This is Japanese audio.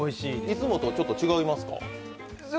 いつもとちょっと違いますか？